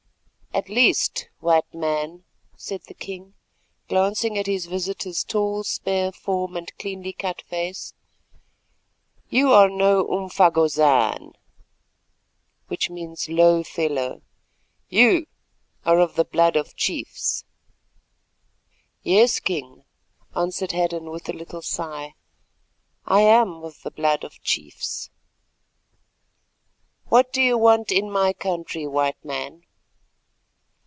"At least, White Man," said the king, glancing at his visitor's tall spare form and cleanly cut face, "you are no 'umfagozan' (low fellow); you are of the blood of chiefs." "Yes, King," answered Hadden, with a little sigh, "I am of the blood of chiefs." "What do you want in my country, White Man?"